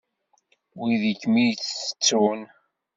Wid i kem-itettun.